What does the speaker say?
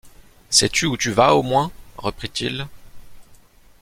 Sais-tu où tu vas au moins? reprit-il.